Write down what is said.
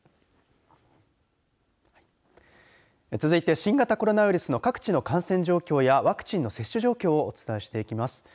続いて新型コロナウイルスの各地の感染状況やワクチンの接種状況をお伝えしていきます。